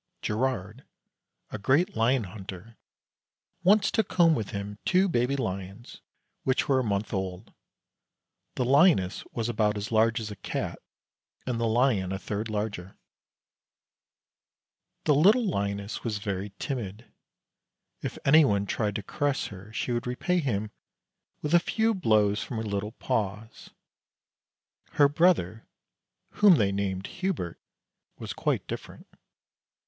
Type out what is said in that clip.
Girard, a great lion hunter, once took home with him two baby lions which were a month old. The lioness was about as large as a cat and the lion a third larger. The little lioness was very timid. If anyone tried to caress her she would repay him with a few blows from her little paws. Her brother, whom they named Hubert, was quite different.